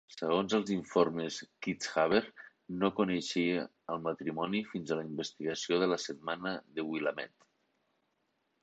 Segons els informes, Kitzhaber no coneixia el matrimoni fins a la investigació de la "Setmana de Willamette".